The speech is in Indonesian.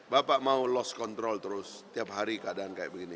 bapak mau lost control terus tiap hari keadaan kayak begini